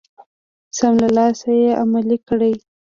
سم له لاسه يې عملي کړئ.